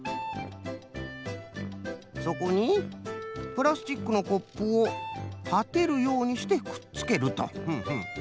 そこにプラスチックのコップをたてるようにしてくっつけると。